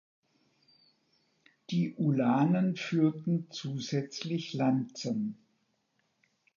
Die Ulanen führten zusätzlich Lanzen.